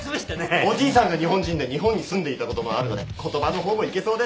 おじいさんが日本人で日本に住んでいたこともあるので言葉の方もいけそうです。